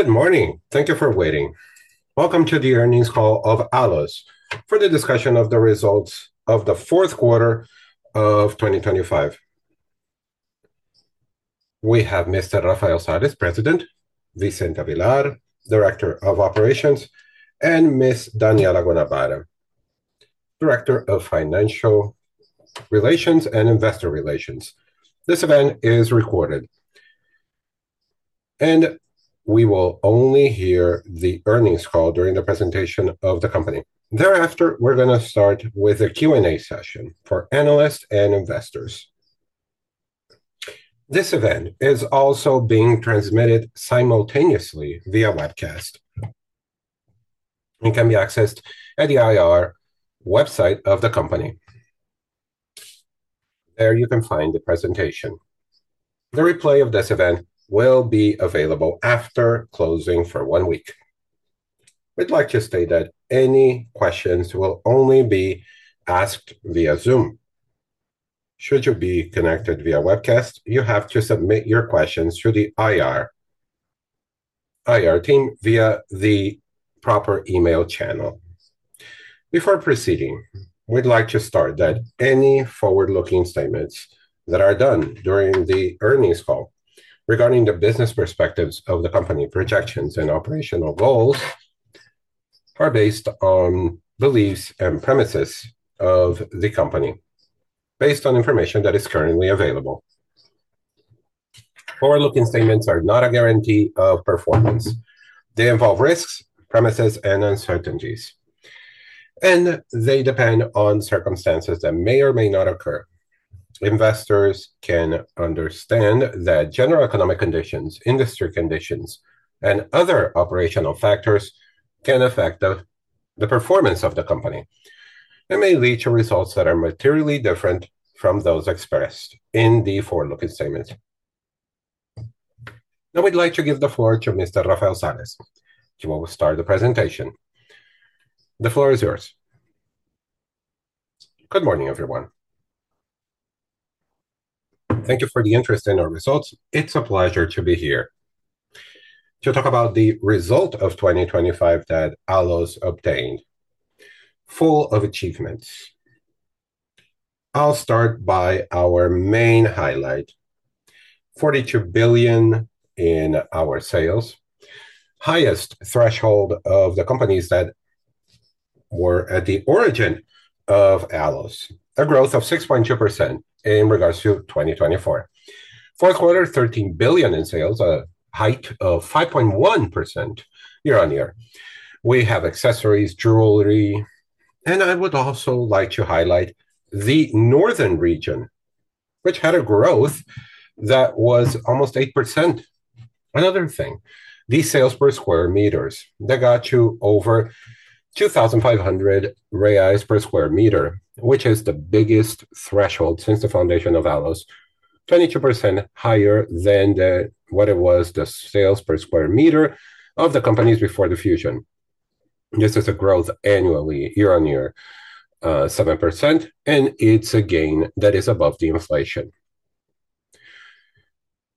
Good morning. Thank you for waiting. Welcome to the earnings call of Allos for the discussion of the results of the fourth quarter of 2025. We have Mr. Rafael Sales, President, Vicente Avellar, Director of Operations, and Ms. Daniella Guanabara, Director of Financial Relations and Investor Relations. This event is recorded, and we will only hear the earnings call during the presentation of the company. Thereafter, we're going to start with a Q&A session for analysts and investors. This event is also being transmitted simultaneously via webcast. It can be accessed at the IR website of the company. There you can find the presentation. The replay of this event will be available after closing for one week. We'd like to state that any questions will only be asked via Zoom. Should you be connected via webcast, you have to submit your questions through the IR team via the proper email channel. Before proceeding, we'd like to state that any forward-looking statements that are done during the earnings call regarding the business perspectives of the company, projections, and operational goals are based on beliefs and premises of the company, based on information that is currently available. Forward-looking statements are not a guarantee of performance. They involve risks, premises, and uncertainties, and they depend on circumstances that may or may not occur. Investors can understand that general economic conditions, industry conditions, and other operational factors can affect the performance of the company and may lead to results that are materially different from those expressed in the forward-looking statements. Now, we'd like to give the floor to Mr. Rafael Sales, who will start the presentation. The floor is yours. Good morning, everyone. Thank you for the interest in our results. It's a pleasure to be here to talk about the result of 2025 that Allos obtained, full of achievements. I'll start by our main highlight, 42 billion in our sales, highest threshold of the companies that were at the origin of Allos, a growth of 6.2% in regards to 2024. Fourth quarter, 13 billion in sales, a hike of 5.1% year-over-year. We have accessories, jewelry. I would also like to highlight the northern region, which had a growth that was almost 8%. Another thing, the sales per square meter that got to over 2,500 reais per square meter, which is the biggest threshold since the foundation of Allos, 22% higher than what it was the sales per square meter of the companies before the fusion. This is a growth annually, year-on-year, 7%, and it's a gain that is above the inflation.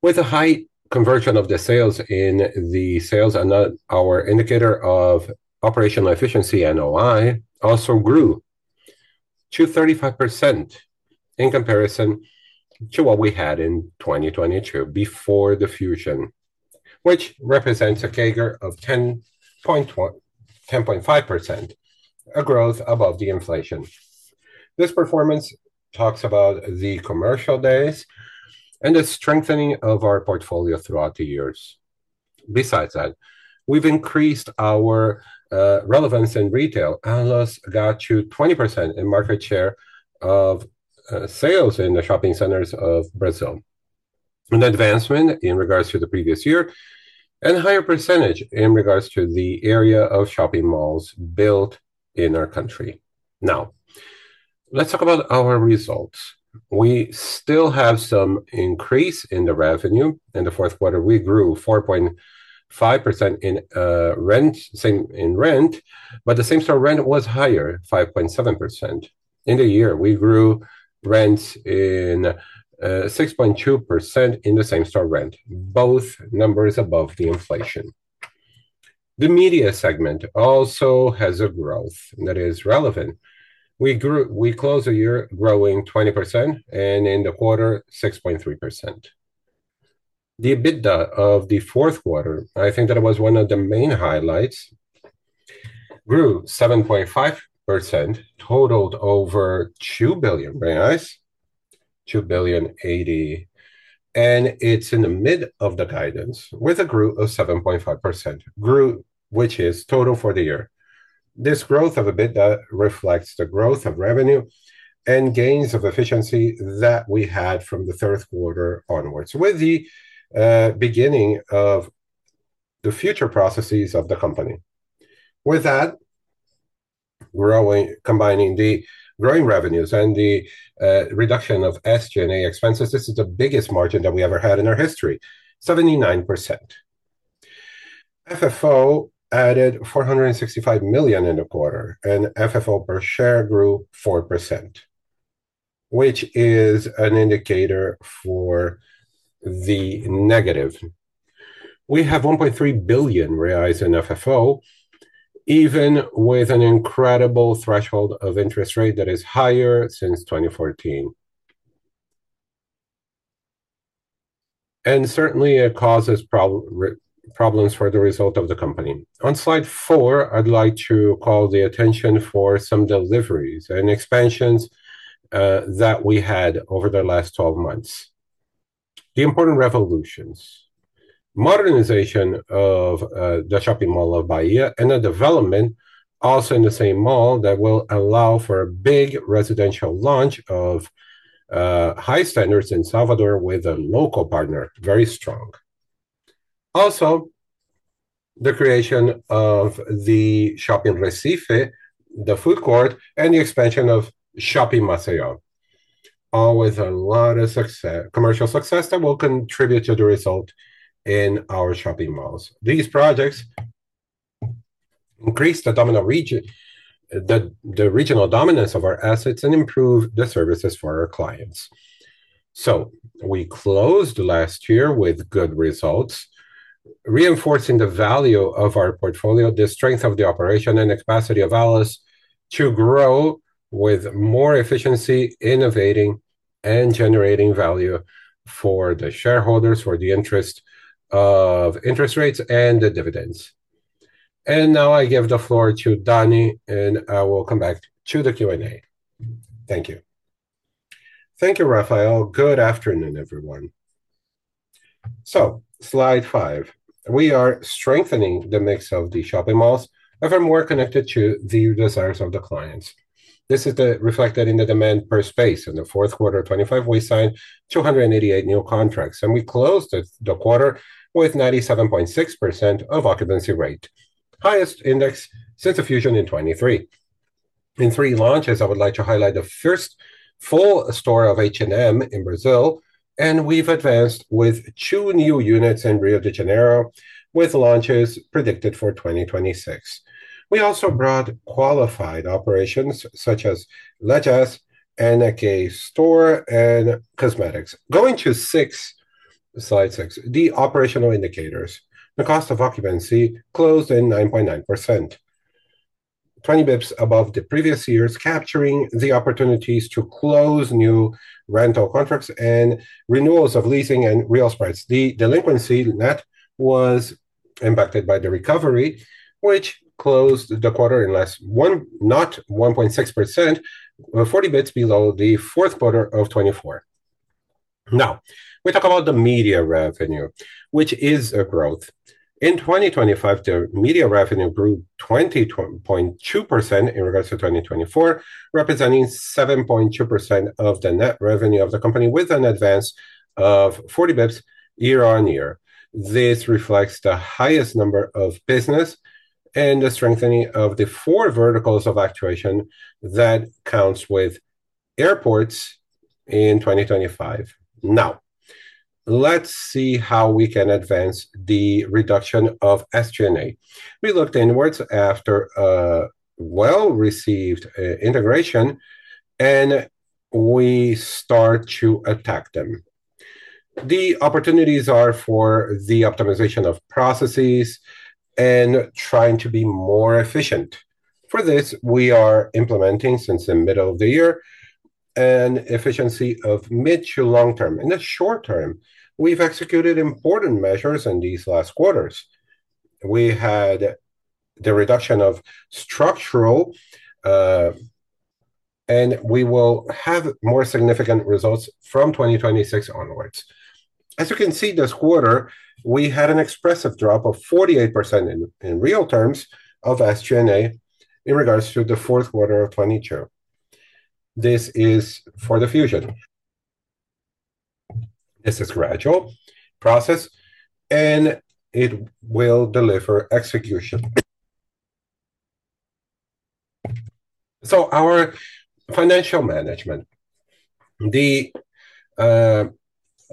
With a high conversion of the sales and our indicator of operational efficiency, NOI, also grew to 35% in comparison to what we had in 2022 before the fusion, which represents a CAGR of 10.5%, a growth above the inflation. This performance talks about the commercial days and the strengthening of our portfolio throughout the years. Besides that, we've increased our relevance in retail. Allos got to 20% in market share of sales in the shopping centers of Brazil, an advancement in regards to the previous year and a higher percentage in regards to the area of shopping malls built in our country. Now, let's talk about our results. We still have some increase in the revenue. In the fourth quarter, we grew 4.5% in rent, but the same-store rent was higher, 5.7%. In the year, we grew rents in 6.2% in the same-store rent, both numbers above the inflation. The media segment also has a growth that is relevant. We closed the year growing 20%, and in the quarter, 6.3%. The EBITDA of the fourth quarter, I think that it was one of the main highlights, grew 7.5%, totaled over 2.80 billion reais and it's in the mid of the guidance with a growth of 7.5%, which is total for the year. This growth of EBITDA reflects the growth of revenue and gains of efficiency that we had from the third quarter onwards with the beginning of the future processes of the company. With that, combining the growing revenues and the reduction of SG&A expenses, this is the biggest margin that we ever had in our history, 79%. FFO added 465 million in the quarter, and FFO per share grew 4%, which is an indicator for the negative. We have 1.3 billion reais in FFO, even with an incredible threshold of interest rate that is higher since 2014. Certainly, it causes problems for the result of the company. On slide four, I'd like to call the attention for some deliveries and expansions that we had over the last 12 months, the important revolutions, modernization of the Shopping Mall of Bahia, and a development also in the same mall that will allow for a big residential launch of high standards in Salvador with a local partner, very strong. Also, the creation of the Shopping Recife, the food court, and the expansion of Shopping Maceió, all with a lot of commercial success that will contribute to the result in our shopping malls. These projects increase the regional dominance of our assets and improve the services for our clients. We closed last year with good results, reinforcing the value of our portfolio, the strength of the operation, and the capacity of Allos to grow with more efficiency, innovating and generating value for the shareholders, for the interest rates and the dividends. Now I give the floor to Dani, and I will come back to the Q&A. Thank you. Thank you, Rafael. Good afternoon, everyone. Slide five, we are strengthening the mix of the shopping malls, ever more connected to the desires of the clients. This is reflected in the demand per space. In the fourth quarter of 2025, we signed 288 new contracts, and we closed the quarter with 97.6% of occupancy rate, highest index since the fusion in 2023. In three launches, I would like to highlight the first full store of H&M in Brazil, and we've advanced with two new units in Rio de Janeiro with launches predicted for 2026. We also brought qualified operations such as LE LIS, nk store, and COSMEDIX. Going to slide six, the operational indicators. The cost of occupancy closed in 9.9%, 20 basis points above the previous years, capturing the opportunities to close new rental contracts and renewals of leasing and re-leasing spreads. The delinquency net was impacted by the recovery, which closed the quarter in not 1.6%, but 40 basis points below the fourth quarter of 2024. Now, we talk about the media revenue, which is a growth. In 2025, the media revenue grew 20.2% in regards to 2024, representing 7.2% of the net revenue of the company with an advance of 40 basis points year-on-year. This reflects the highest number of business and the strengthening of the four verticals of actuation that counts with airports in 2025. Now, let's see how we can advance the reduction of SG&A. We looked inwards after a well-received integration, and we start to attack them. The opportunities are for the optimization of processes and trying to be more efficient. For this, we are implementing since the middle of the year an efficiency of mid- to long-term. In the short term, we've executed important measures in these last quarters. We had the reduction of structural, and we will have more significant results from 2026 onwards. As you can see, this quarter, we had an expressive drop of 48% in real terms of SG&A in regards to the fourth quarter of 2022. This is for the fusion. This is a gradual process, and it will deliver execution. Our financial management,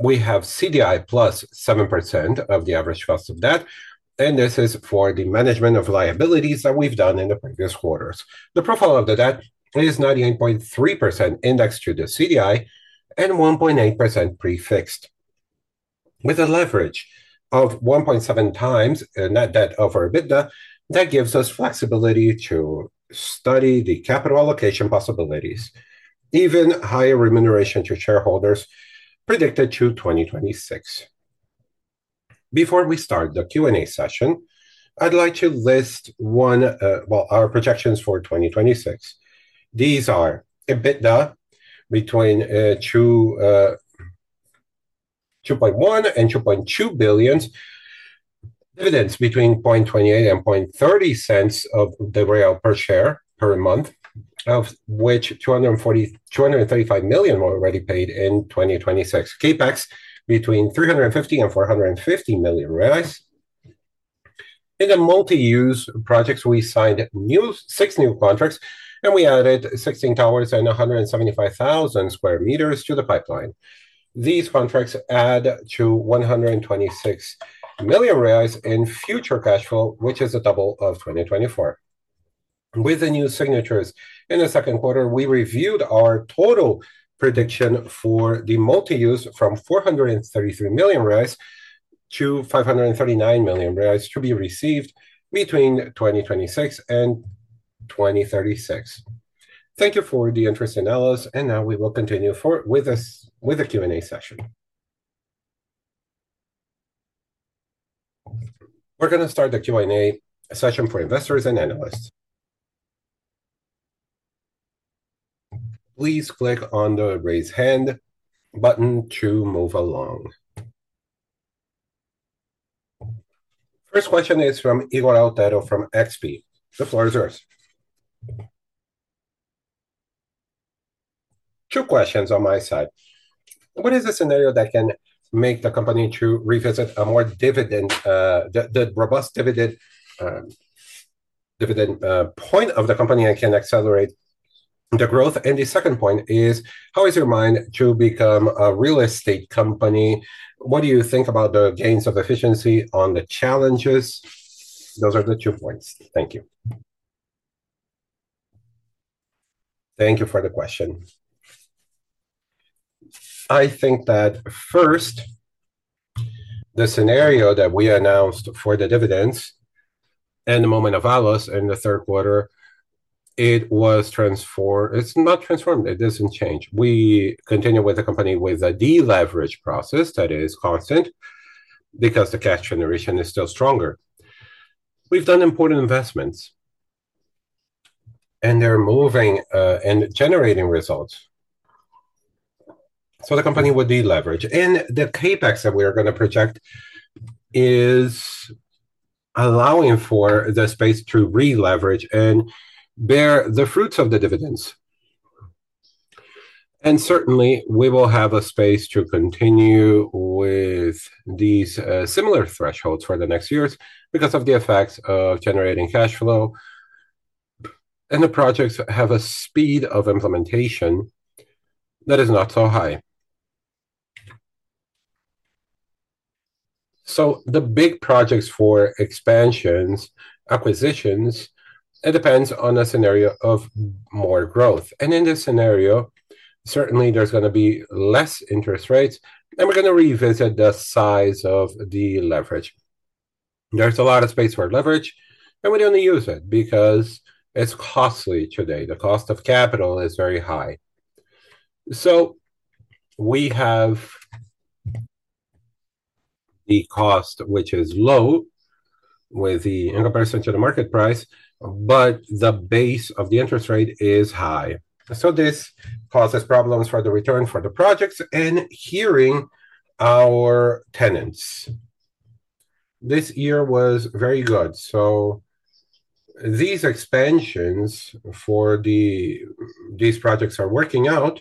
we have CDI plus 7% of the average cost of debt, and this is for the management of liabilities that we've done in the previous quarters. The profile of the debt is 98.3% indexed to the CDI and 1.8% prefixed with a leverage of 1.7x net debt over EBITDA. That gives us flexibility to study the capital allocation possibilities, even higher remuneration to shareholders predicted to 2026. Before we start the Q&A session, I'd like to list our projections for 2026. These are EBITDA between 2.1 billion and 2.2 billion, dividends between 0.28 and 0.30 of the real per share per month, of which 235 million were already paid in 2026. CapEx between 350 million and 450 million reais. In the multi-use projects, we signed six new contracts, and we added 16 towers and 175,000 sq m to the pipeline. These contracts add to 126 million reais in future cash flow, which is a double of 2024. With the new signatures. In the second quarter, we reviewed our total prediction for the multi-use from 433 million reais to 539 million reais to be received between 2026 and 2036. Thank you for the interest in Allos, and now we will continue with the Q&A session. We're going to start the Q&A session for investors and analysts. Please click on the Raise Hand button to move along. First question is from Ygor Altero from XP. The floor is yours. Two questions on my side. What is the scenario that can make the company to revisit the robust dividend point of the company and can accelerate the growth? The second point is, how is your mind to become a real estate company? What do you think about the gains of efficiency on the challenges? Those are the two points. Thank you. Thank you for the question. I think that first, the scenario that we announced for the dividends in the moment of Allos in the third quarter, it's not transformed. It doesn't change. We continue with the company with a deleverage process that is constant because the cash generation is still stronger. We've done important investments, and they're moving and generating results. The company will deleverage, and the CapEx that we are going to project is allowing for the space to releverage and bear the fruits of the dividends. Certainly, we will have a space to continue with these similar thresholds for the next years because of the effects of generating cash flow, and the projects have a speed of implementation that is not so high. The big projects for expansions, acquisitions, it depends on a scenario of more growth. In this scenario, certainly there's going to be less interest rates, and we're going to revisit the size of the leverage. There's a lot of space for leverage, and we don't use it because it's costly today. The cost of capital is very high. We have the cost, which is low in comparison to the market price, but the base of the interest rate is high. This causes problems for the return for the projects and hearing our tenants. This year was very good, so these expansions for these projects are working out,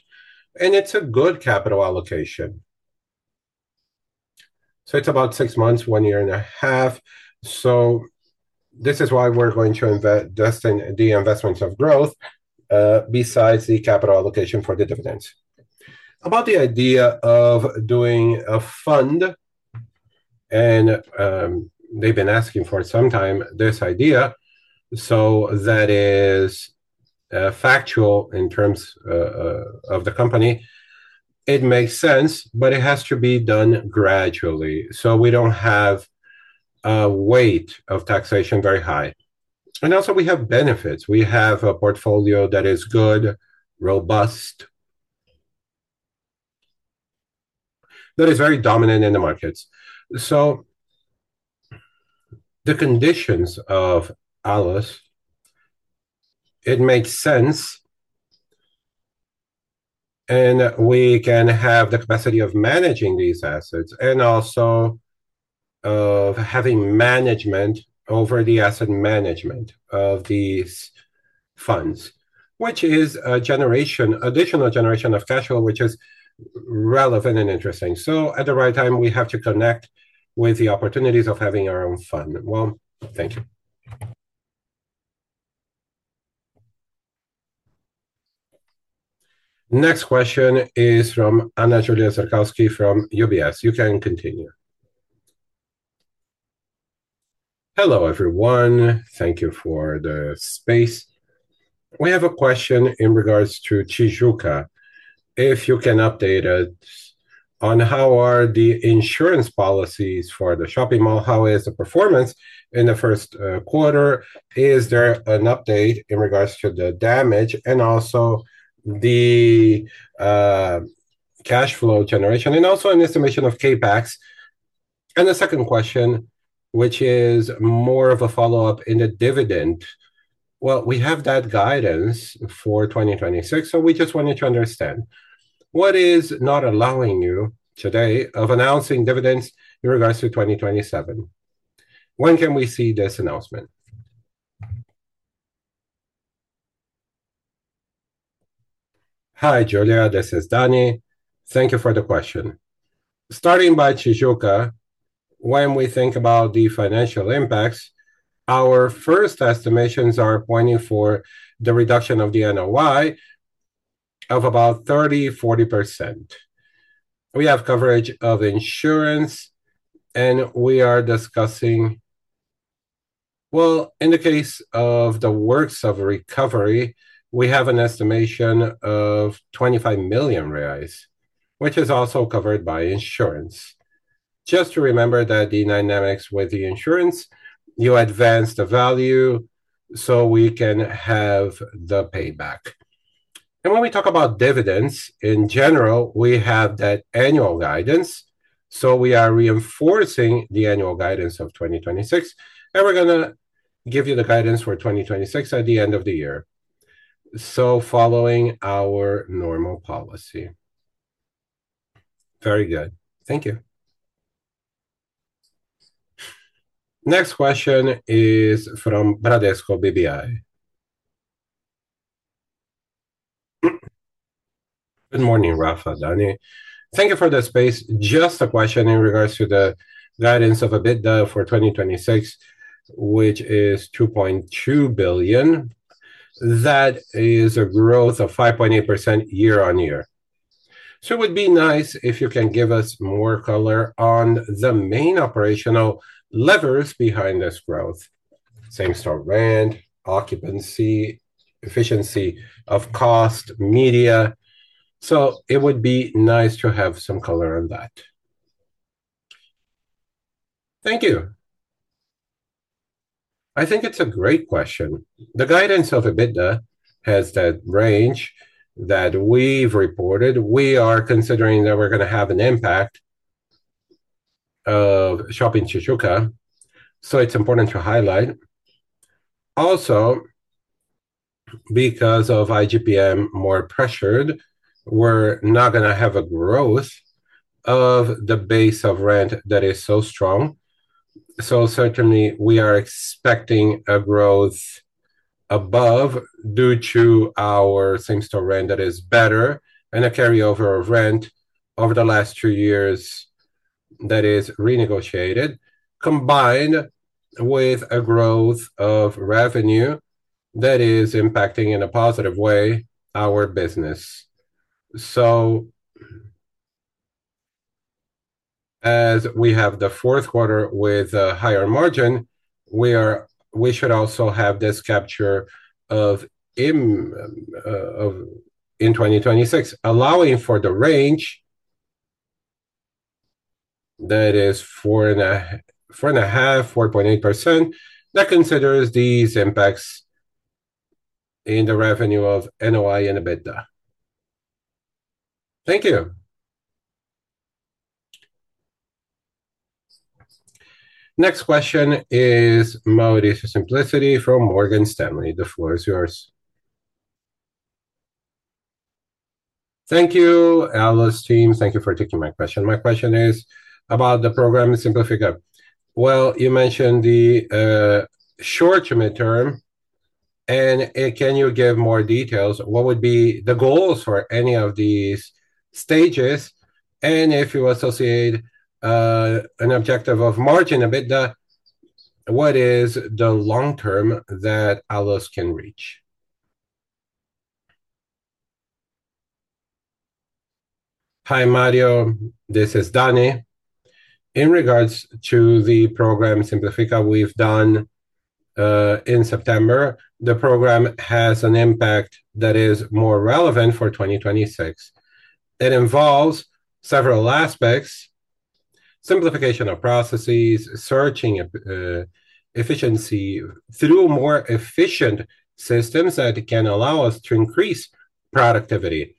and it's a good capital allocation. It's about six months, 1.5 years. This is why we're going to invest in the investments of growth, besides the capital allocation for the dividends. About the idea of doing a fund, and they've been asking for some time, this idea, so that is factual in terms of the company. It makes sense, but it has to be done gradually so we don't have weight of taxation very high. Also we have benefits. We have a portfolio that is good, robust, that is very dominant in the markets. The conditions of Allos, it makes sense, and we can have the capacity of managing these assets and also of having management over the asset management of these funds, which is additional generation of cash flow, which is relevant and interesting. At the right time, we have to connect with the opportunities of having our own fund. Well, thank you. Next question is from Ana Julia Zerkowski from UBS. You can continue. Hello, everyone. Thank you for the space. We have a question in regards to Tijuca. If you can update us on how are the insurance policies for the shopping mall, how is the performance in the first quarter? Is there an update in regards to the damage and also the cash flow generation, and also an estimation of CapEx? The second question, which is more of a follow-up in the dividend. Well, we have that guidance for 2026, so we just wanted to understand what is not allowing you today of announcing dividends in regards to 2027? When can we see this announcement? Hi, Julia. This is Dani. Thank you for the question. Starting by Tijuca, when we think about the financial impacts, our first estimations are pointing for the reduction of the NOI of about 30%,40%. We have coverage of insurance, and we are discussing. Well, in the case of the works of recovery, we have an estimation of 25 million reais, which is also covered by insurance. Just to remember the dynamics with the insurance, you advance the value so we can have the payback. When we talk about dividends, in general, we have that annual guidance. We are reinforcing the annual guidance of 2026, and we're going to give you the guidance for 2026 at the end of the year, so following our normal policy. Very good. Thank you. Next question is from Bradesco BBI. Good morning, Rafael, Dani. Thank you for the space. Just a question in regards to the guidance of EBITDA for 2026, which is 2.2 billion. That is a growth of 5.8% year-on-year. It would be nice if you can give us more color on the main operational levers behind this growth. Same-store rent, occupancy, efficiency of cost, media. It would be nice to have some color on that. Thank you. I think it's a great question. The guidance of EBITDA has that range that we've reported. We are considering that we're going to have an impact of Shopping Tijuca, so it's important to highlight. Also, because of IGPM more pressured, we're not going to have a growth of the base of rent that is so strong. Certainly, we are expecting a growth above due to our same-store rent that is better, and a carryover of rent over the last two years that is renegotiated, combined with a growth of revenue that is impacting in a positive way our business. As we have the fourth quarter with a higher margin, we should also have this capture in 2026, allowing for the range that is 4.5%,4.8%, that considers these impacts in the revenue of NOI and EBITDA. Thank you. Next question is Maurice [inadudible] from Morgan Stanley. The floor is yours. Thank you, Allos team. Thank you for taking my question. My question is about the program Simplifica. Well, you mentioned the short midterm, and can you give more details? What would be the goals for any of these stages? If you associate an objective of margin, EBITDA, what is the long term that Allos can reach? Hi, Mario, this is Dani. In regards to the program Simplifica we've done, in September, the program has an impact that is more relevant for 2026. It involves several aspects, simplification of processes, searching efficiency through more efficient systems that can allow us to increase productivity.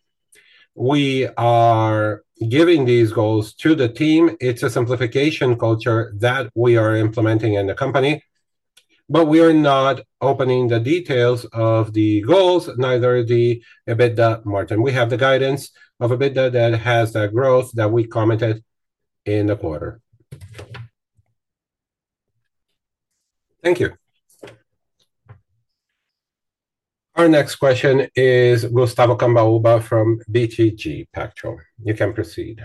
We are giving these goals to the team. It's a simplification culture that we are implementing in the company, but we are not opening the details of the goals, neither the EBITDA margin. We have the guidance of EBITDA that has the growth that we commented in the quarter. Thank you. Our next question is Gustavo Cambauva from BTG Pactual. You can proceed.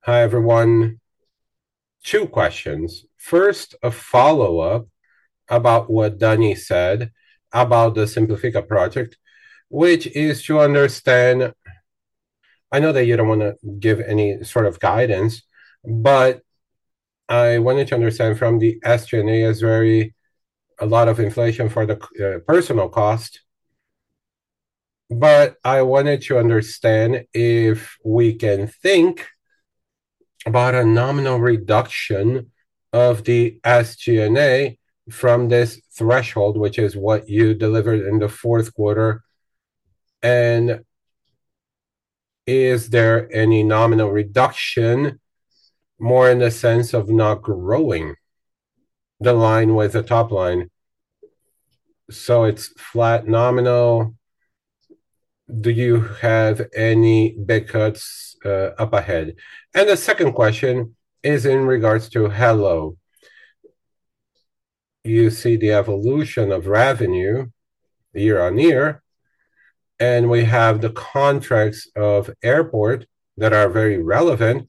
Hi, everyone. Two questions. First, a follow-up about what Dani said about the Simplifica project. I know that you don't want to give any sort of guidance, but I wanted to understand from the SG&A is very, a lot of inflation for the personnel cost. I wanted to understand if we can think about a nominal reduction of the SG&A from this threshold, which is what you delivered in the fourth quarter. Is there any nominal reduction, more in the sense of not growing the line with the top line? It's flat nominal. Do you have any big cuts up ahead? The second question is in regards to helloo. You see the evolution of revenue year-on-year, and we have the contracts of airport that are very relevant.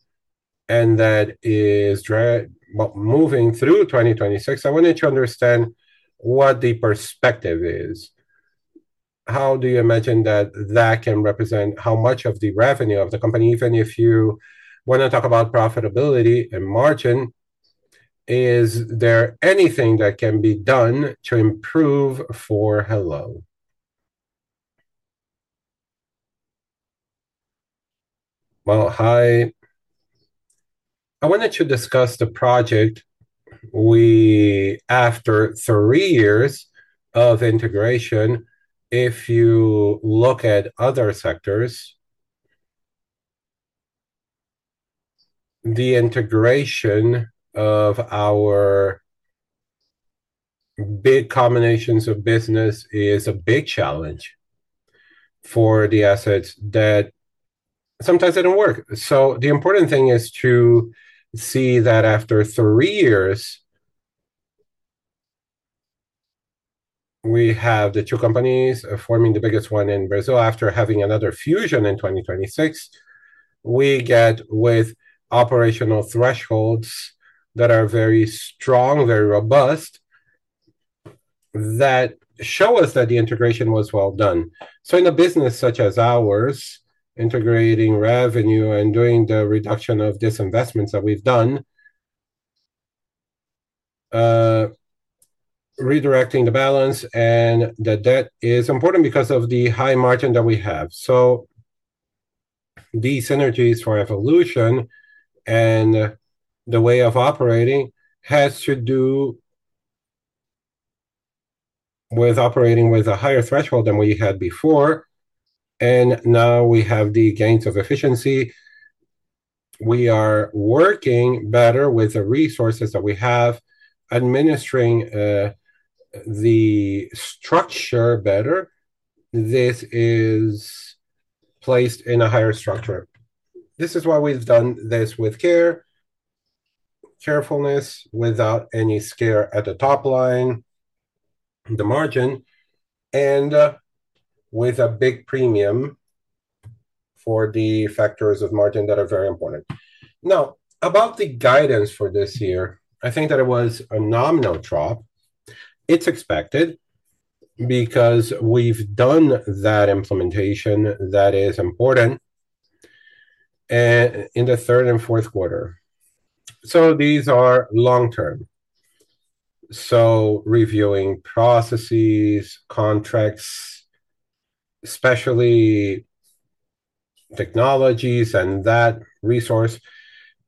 That is moving through 2026. I wanted to understand what the perspective is. How do you imagine that can represent how much of the revenue of the company? Even if you want to talk about profitability and margin, is there anything that can be done to improve for helloo? Well, hi. I wanted to discuss the project. After three years of integration, if you look at other sectors, the integration of our big combinations of business is a big challenge for the assets that sometimes they don't work. The important thing is to see that after three years, we have the two companies forming the biggest one in Brazil after having another fusion in 2026. We get with operational thresholds that are very strong, very robust, that show us that the integration was well done. In a business such as ours, integrating revenue and doing the reduction of disinvestment that we've done, redirecting the balance and the debt is important because of the high margin that we have. These synergies for evolution and the way of operating has to do with operating with a higher threshold than we had before, and now we have the gains of efficiency. We are working better with the resources that we have, administering the structure better. This is placed in a higher structure. This is why we've done this with care, carefulness, without any scare at the top line, the margin, and with a big premium for the factors of margin that are very important. Now, about the guidance for this year, I think that it was a nominal drop. It's expected because we've done that implementation that is important in the third and fourth quarter. These are long-term, reviewing processes, contracts, especially technologies and that resource,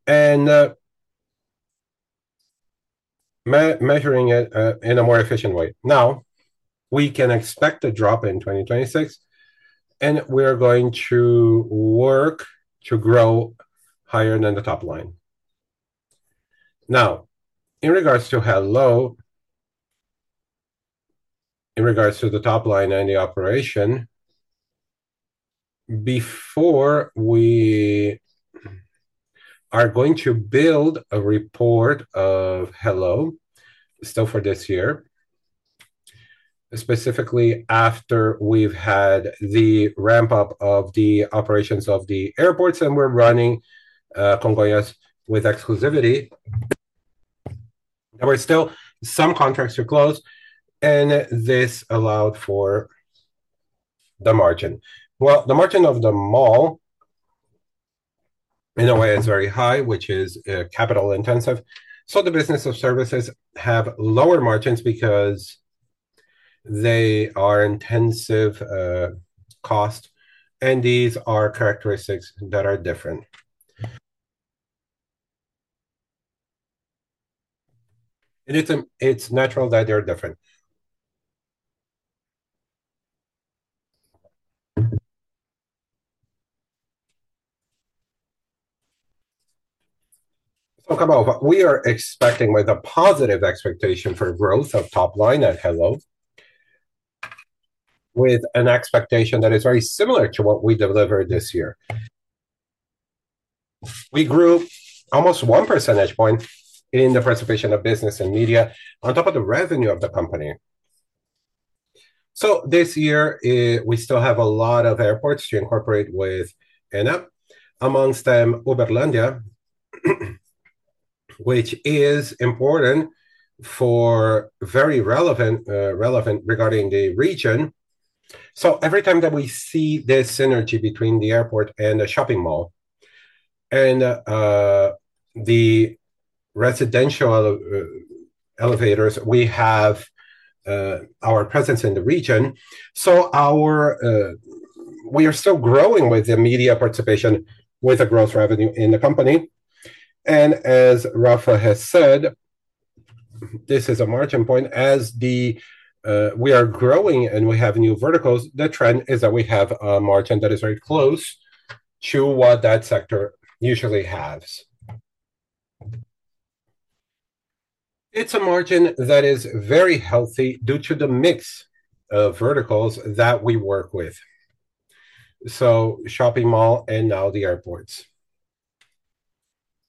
and measuring it in a more efficient way. Now, we can expect a drop in 2026, and we are going to work to grow higher than the top line. Now, in regards to helloo, in regards to the top line and the operation, before we are going to build a report of helloo, still for this year, specifically after we've had the ramp-up of the operations of the airports, and we're running Congonhas with exclusivity, there were still some contracts to close, and this allowed for the margin. Well, the margin of the mall, in a way, is very high, which is capital intensive. The business of services have lower margins because they are intensive cost, and these are characteristics that are different. It's natural that they are different. We are expecting with a positive expectation for growth of top line at helloo, with an expectation that is very similar to what we delivered this year. We grew almost one percentage point in the participation of business and media on top of the revenue of the company. This year, we still have a lot of airports to incorporate with Aena, amongst them Uberlândia, which is important for very relevant regarding the region. Every time that we see this synergy between the airport and the shopping mall, and the residential elevators, we have our presence in the region. We are still growing with the media participation with a growth revenue in the company. As Rafa has said, this is a margin point. As we are growing and we have new verticals, the trend is that we have a margin that is very close to what that sector usually has. It's a margin that is very healthy due to the mix of verticals that we work with, shopping mall and now the airports.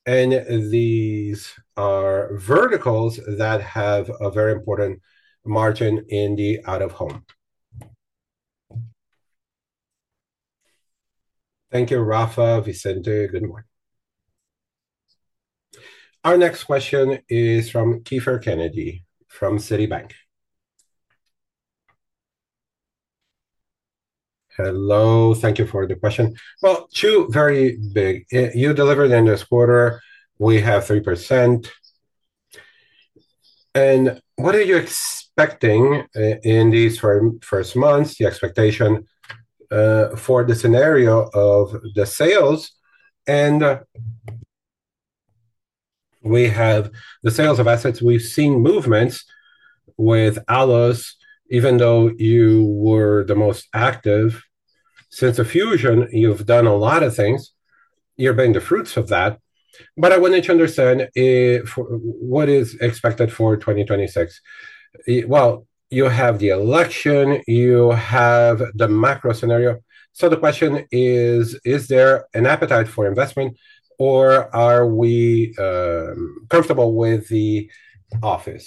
These are verticals that have a very important margin in the out-of-home. Thank you, Rafa. Vicente, good morning. Our next question is from Kiefer Kennedy from Citibank. Hello, thank you for the question. Well, two very big you delivered in this quarter. We have 3%. What are you expecting in these first months, the expectation for the scenario of the sales? We have the sales of assets. We've seen movements with Allos, even though you were the most active. Since the fusion, you've done a lot of things. You're bearing the fruits of that, but I wanted to understand what is expected for 2026. Well, you have the election, you have the macro scenario. The question is there an appetite for investment or are we comfortable with the office?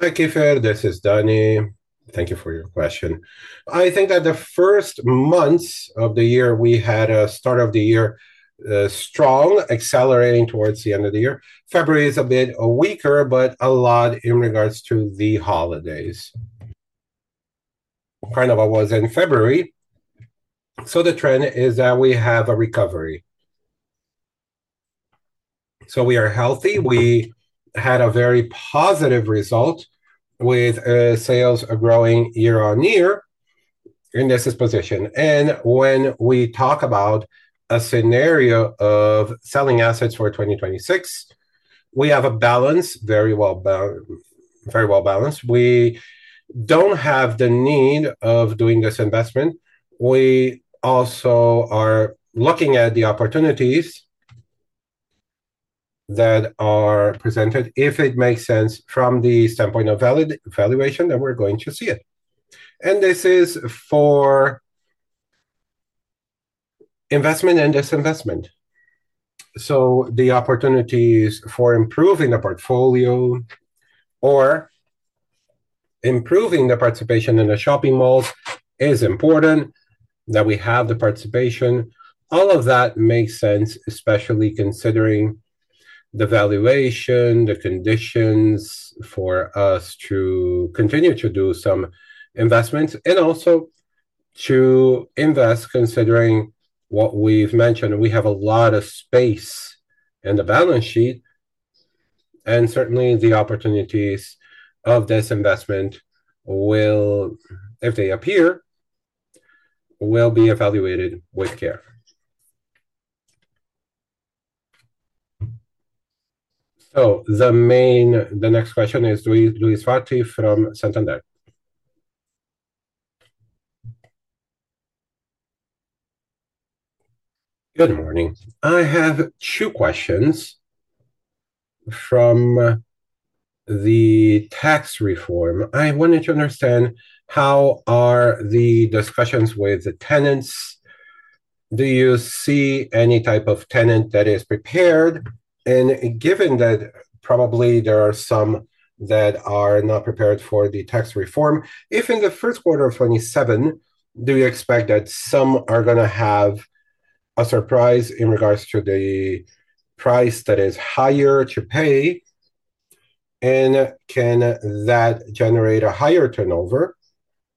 Hi, Kiefer, this is Dani. Thank you for your question. I think that the first months of the year, we had a start of the year strong, accelerating towards the end of the year. February is a bit weaker, but a lot in regards to the holidays. Carnival was in February. The trend is that we have a recovery. We are healthy. We had a very positive result with sales growing year-on-year in this position. When we talk about a scenario of selling assets for 2026, we have a balance, very well balanced. We don't have the need of doing this investment. We also are looking at the opportunities that are presented. If it makes sense from the standpoint of valuation, then we're going to see it. This is for investment and disinvestment. The opportunities for improving the portfolio or improving the participation in the shopping malls is important that we have the participation. All of that makes sense, especially considering the valuation, the conditions for us to continue to do some investments, and also to invest considering what we've mentioned. We have a lot of space in the balance sheet, and certainly the opportunities of disinvestment, if they appear, will be evaluated with care. The next question is [inaudible] from Santander. Good morning. I have two questions from the tax reform. I wanted to understand how are the discussions with the tenants. Do you see any type of tenant that is prepared? Given that probably there are some that are not prepared for the tax reform, if in the first quarter of 2027, do you expect that some are going to have a surprise in regards to the price that is higher to pay, and can that generate a higher turnover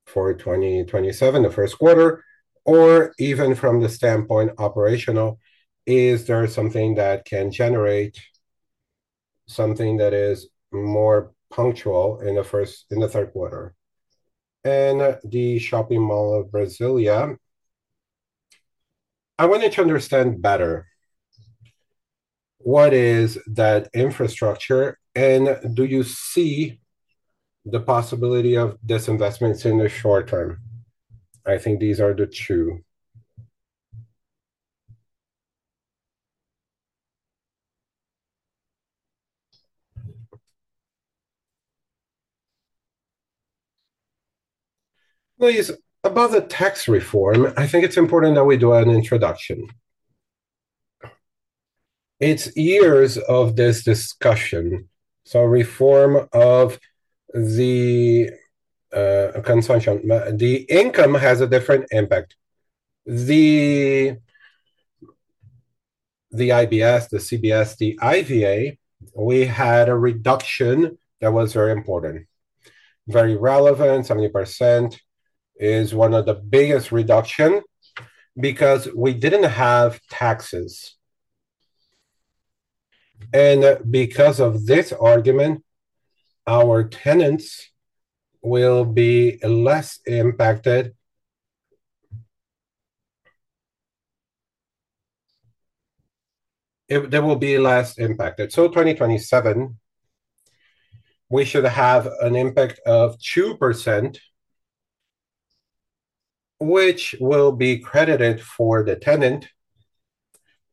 for 2027, the first quarter? Even from the standpoint operational, is there something that can generate something that is more punctual in the third quarter? The shopping mall of Brasília, I wanted to understand better what is that infrastructure, and do you see the possibility of disinvestments in the short term? I think these are the two. Luis, about the tax reform, I think it's important that we do an introduction. It's years of this discussion, reform of the consumption. The income has a different impact. The IBS, the CBS, the IVA, we had a reduction that was very important, very relevant. 70% is one of the biggest reduction because we didn't have taxes. Because of this argument, our tenants will be less impacted. They will be less impacted. 2027, we should have an impact of 2%, which will be credited for the tenant,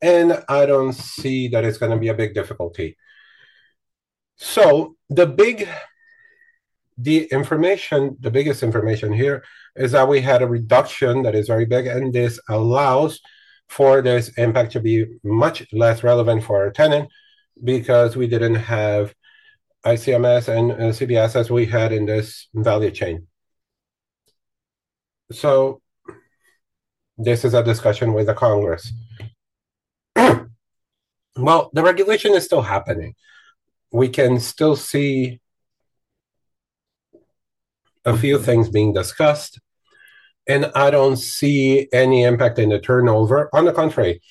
and I don't see that it's going to be a big difficulty. The biggest information here is that we had a reduction that is very big, and this allows for this impact to be much less relevant for our tenant because we didn't have ICMS and CBS as we had in this value chain. This is a discussion with the Congress. Well, the regulation is still happening. We can still see a few things being discussed, and I don't see any impact in the turnover. On the contrary,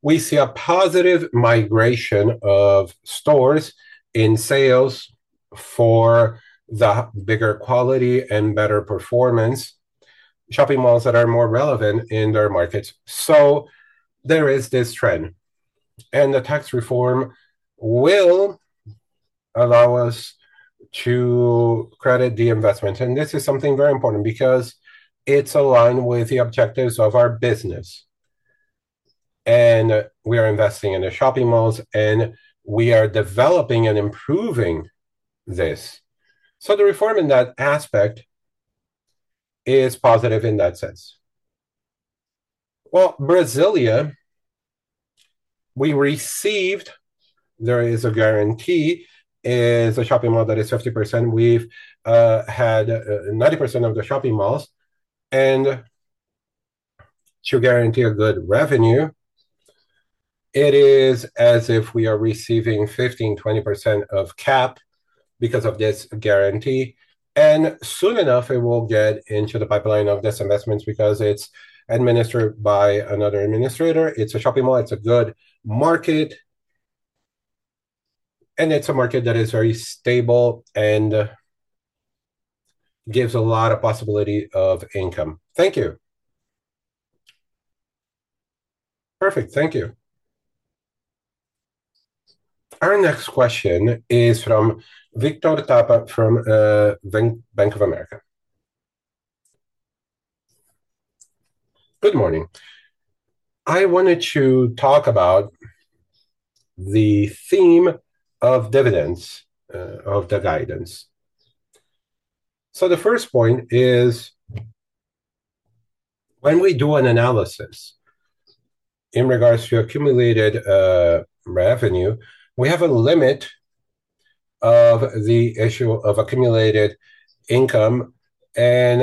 we see a positive migration of stores in sales for the bigger quality and better performance, shopping malls that are more relevant in their markets. There is this trend, and the tax reform will allow us to credit the investment. This is something very important because it's aligned with the objectives of our business, and we are investing in the shopping malls, and we are developing and improving this. The reform in that aspect is positive in that sense. Well, Brasília, we received there is a guarantee, is a shopping mall that is 50%. We've had 90% of the shopping malls. To guarantee a good revenue, it is as if we are receiving 15%,20% of CAP because of this guarantee. Soon enough, it will get into the pipeline of these investments because it's administered by another administrator. It's a shopping mall, it's a good market, and it's a market that is very stable and gives a lot of possibility of income. Thank you. Perfect. Thank you. Our next question is from Victor Tapia from Bank of America. Good morning. I wanted to talk about the theme of dividends of the guidance. The first point is, when we do an analysis in regards to accumulated revenue, we have a limit of the issue of accumulated income, and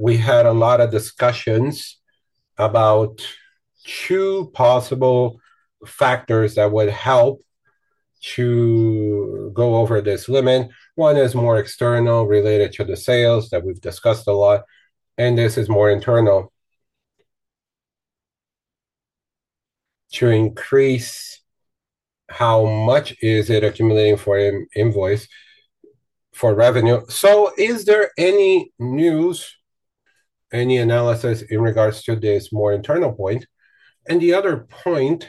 we had a lot of discussions about two possible factors that would help to go over this limit. One is more external, related to the sales that we've discussed a lot, and this is more internal, to increase how much is it accumulating for an invoice for revenue. Is there any news, any analysis in regards to this more internal point? The other point,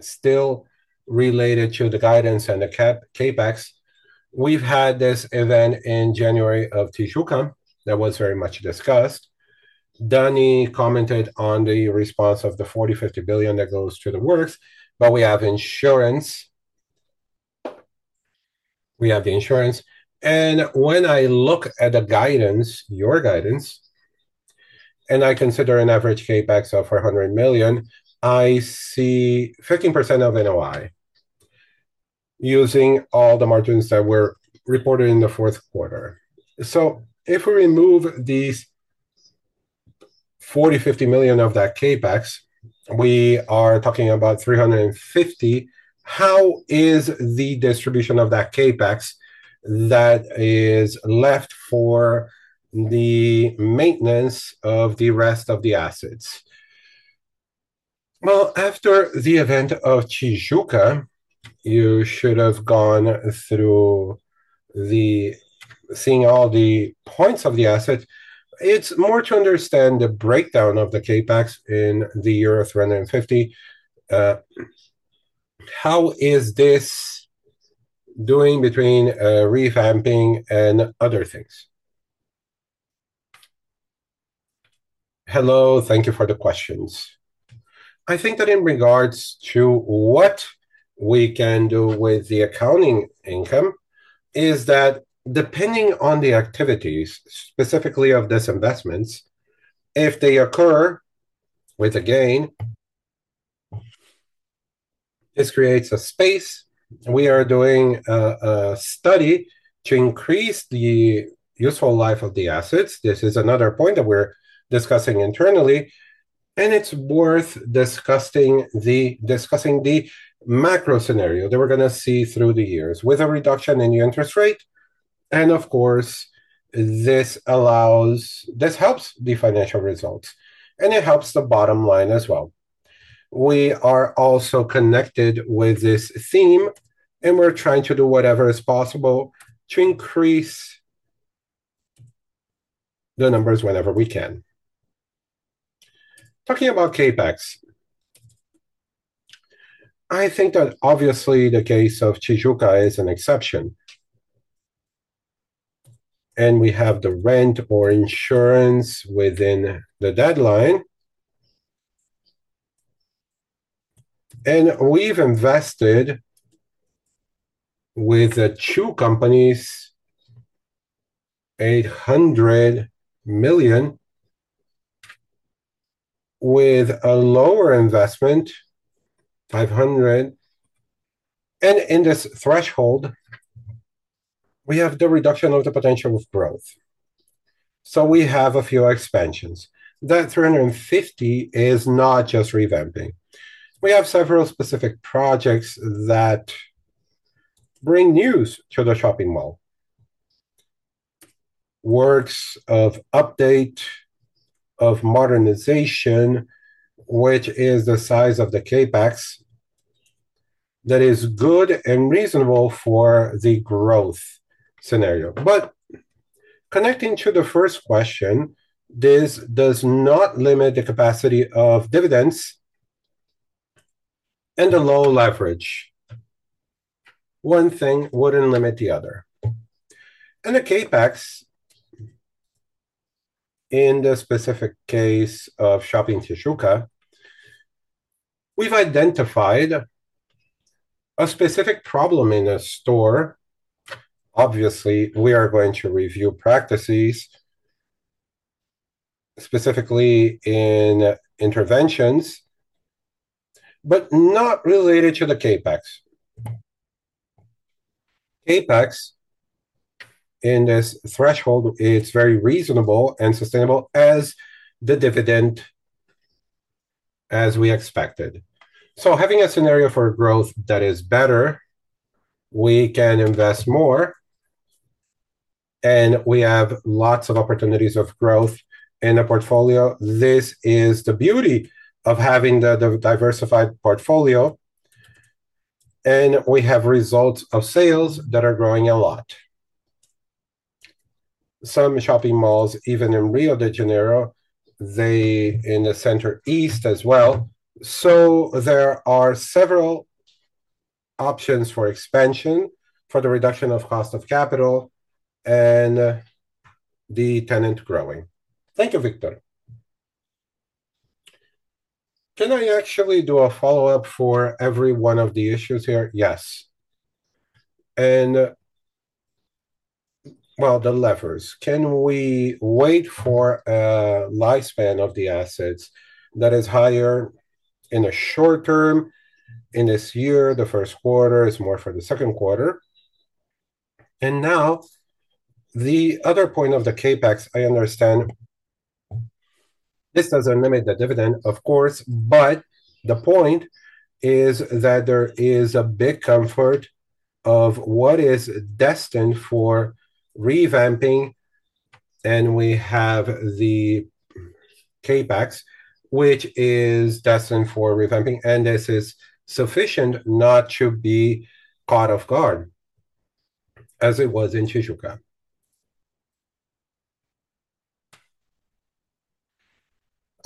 still related to the guidance and the CapEx, we've had this event in January of Tijuca that was very much discussed. Dani commented on the response of the 40 million-50 million that goes to the works, but we have insurance. We have the insurance. When I look at the guidance, your guidance, and I consider an average CapEx of 400 million, I see 15% of NOI using all the margins that were reported in the fourth quarter. If we remove these 40 million-50 million of that CapEx, we are talking about 350 million. How is the distribution of that CapEx that is left for the maintenance of the rest of the assets? Well, after the event of Tijuca, you should have gone through seeing all the points of the assets. It's more to understand the breakdown of the CapEx in the year of 350 million. How is this doing between revamping and other things? Hello, thank you for the questions. I think that in regards to what we can do with the accounting income is that depending on the activities, specifically of these investments, if they occur with a gain, this creates a space. We are doing a study to increase the useful life of the assets. This is another point that we're discussing internally, and it's worth discussing the macro scenario that we're going to see through the years with a reduction in the interest rate. Of course, this helps the financial results, and it helps the bottom line as well. We are also connected with this theme, and we're trying to do whatever is possible to increase the numbers whenever we can. Talking about CapEx, I think that obviously the case of Tijuca is an exception, and we have the rent or insurance within the deadline. We've invested with the two companies, 800 million, with a lower investment, 500 million. In this threshold, we have the reduction of the potential of growth. We have a few expansions. That 350 million is not just revamping. We have several specific projects that bring news to the shopping mall, works of update, of modernization, which is the size of the CapEx. That is good and reasonable for the growth scenario. Connecting to the first question, this does not limit the capacity of dividends and the low leverage. One thing wouldn't limit the other. The CapEx, in the specific case of Shopping Tijuca, we've identified a specific problem in a store. Obviously, we are going to review practices, specifically in interventions, but not related to the CapEx. CapEx in this threshold is very reasonable and sustainable as the dividend as we expected. Having a scenario for growth that is better, we can invest more, and we have lots of opportunities of growth in a portfolio. This is the beauty of having the diversified portfolio, and we have results of sales that are growing a lot. Some shopping malls, even in Rio de Janeiro, they in the center east as well. There are several options for expansion for the reduction of cost of capital and the tenant growing. Thank you, Victor. Can I actually do a follow-up for every one of the issues here? Yes. Well, the levers. Can we wait for a lifespan of the assets that is higher in the short term, in this year, the first quarter, is more for the second quarter? Now the other point of the CapEx, I understand this doesn't limit the dividend, of course, but the point is that there is a big comfort of what is destined for revamping, and we have the CapEx, which is destined for revamping, and this is sufficient not to be caught off guard as it was in Tijuca.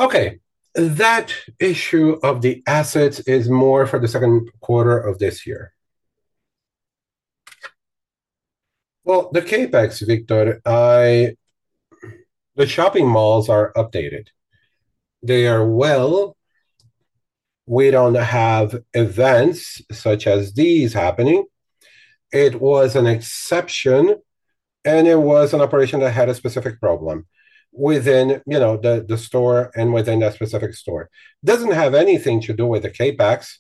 Okay. That issue of the assets is more for the second quarter of this year. Well, the CapEx, Victor, the shopping malls are updated. They are well. We don't have events such as these happening. It was an exception, and it was an operation that had a specific problem within the store and within that specific store. Doesn't have anything to do with the CapEx.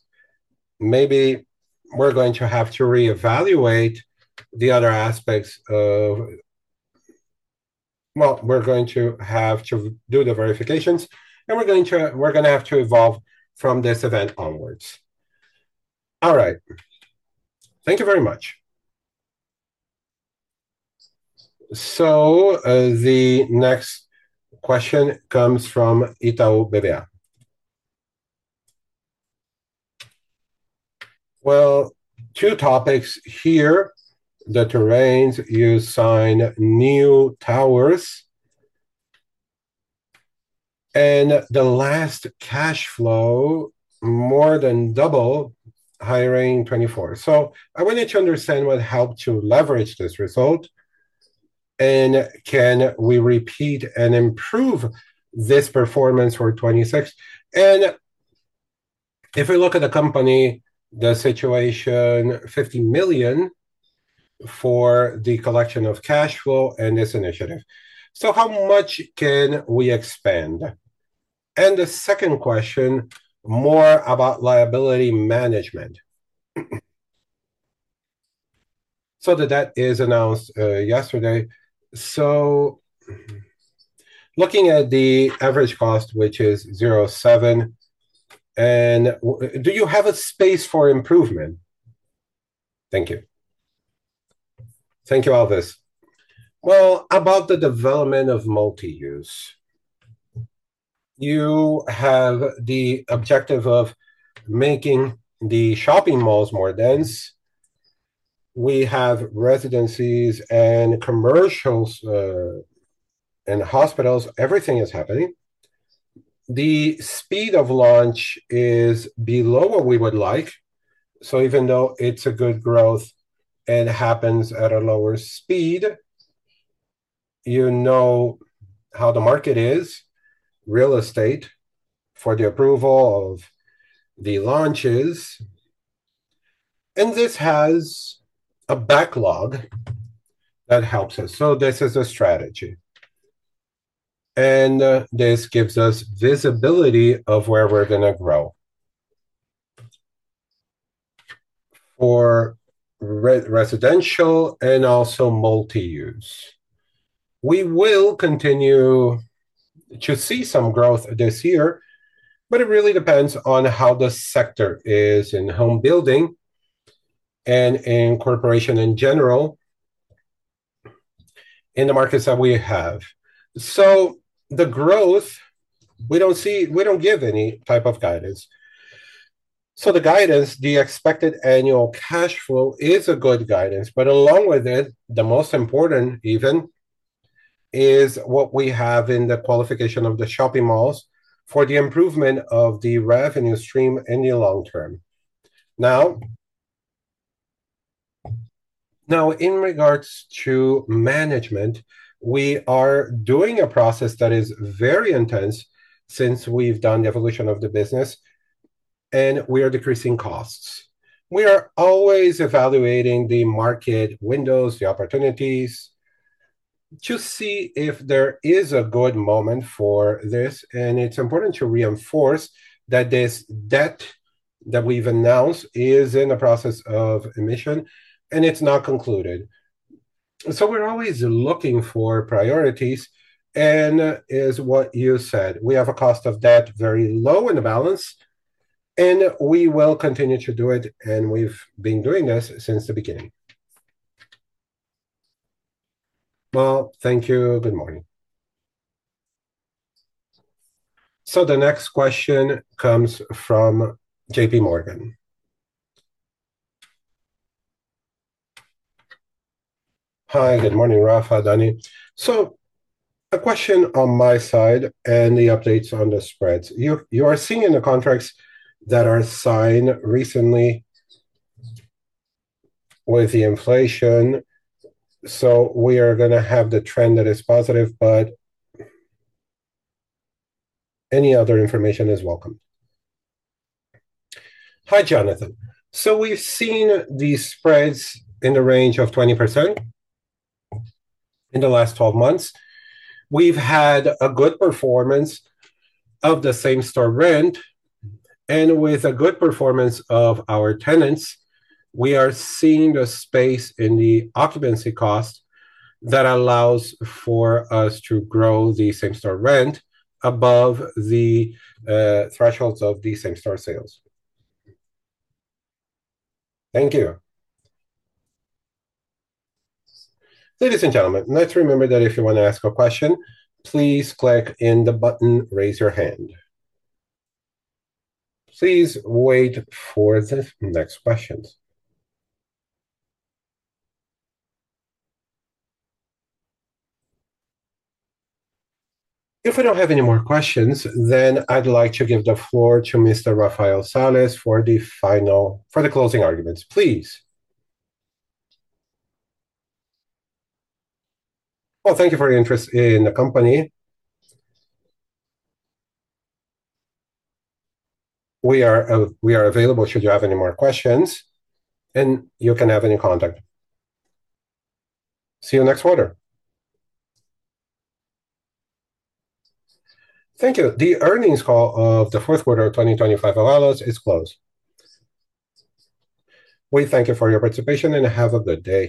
Maybe we're going to have to reevaluate the other aspects of... Well, we're going to have to do the verifications, and we're going to have to evolve from this event onwards. All right. Thank you very much. So, the next question comes from Itaú. [inaudible] Well, two topics here. The terrains, you sign new towers. And the last cash flow more than double, hiring 2024. So I wanted to understand what helped you leverage this result, and can we repeat and improve this performance for 2026? And if we look at the company, the situation, 50 million for the collection of cash flow and this initiative. How much can we expand? And the second question, more about liability management. So the debt is announced yesterday. Looking at the average cost, which is 0.7%, do you have a space for improvement? Thank you. Thank you, Alves. Well, about the development of multi-use. You have the objective of making the shopping malls more dense. We have residencies and commercials, and hospitals. Everything is happening. The speed of launch is below what we would like. Even though it's a good growth and happens at a lower speed, you know how the market is, real estate, for the approval of the launches. This has a backlog that helps us. This is a strategy. This gives us visibility of where we're going to grow for residential and also multi-use. We will continue to see some growth this year. It really depends on how the sector is in home building and in incorporation in general in the markets that we have. The growth, we don't give any type of guidance. The guidance, the expected annual cash flow is a good guidance, but along with it, the most important, even, is what we have in the qualification of the shopping malls for the improvement of the revenue stream in the long term. Now, in regards to management, we are doing a process that is very intense since we've done the evolution of the business, and we are decreasing costs. We are always evaluating the market windows, the opportunities, to see if there is a good moment for this. It's important to reinforce that this debt that we've announced is in the process of emission, and it's not concluded. We're always looking for priorities and, as what you said, we have a cost of debt very low in the balance. We will continue to do it, and we've been doing this since the beginning. Well, thank you. Good morning. The next question comes from JPMorgan. Hi, good morning, Rafa, Dani. A question on my side and the updates on the spreads. You are seeing the contracts that are signed recently with the inflation, so we are going to have the trend that is positive, but any other information is welcome. Hi, Jonathan. We've seen these spreads in the range of 20% in the last 12 months. We've had a good performance of the same-store rent. With a good performance of our tenants, we are seeing the space in the occupancy cost that allows for us to grow the same-store rent above the thresholds of the same-store sales. Thank you. Ladies and gentlemen, let's remember that if you want to ask a question, please click in the button, Raise Your Hand. Please wait for the next questions. If we don't have any more questions, then I'd like to give the floor to Mr. Rafael Sales for the closing arguments, please. Well, thank you for your interest in the company. We are available should you have any more questions. You can have any contact. See you next quarter. Thank you. The earnings call of the fourth quarter of 2025 of Allos is closed. We thank you for your participation. Have a good day.